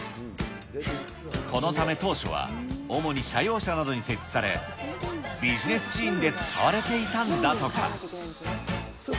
このため、当初は主に社用車などに設置され、ビジネスシーンで使われていたんだとか。